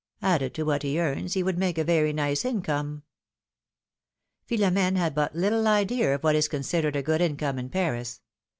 Added to what he earns, it would make a very nice income ! Philom^ne had but little idea of what is considered a good income in Paris.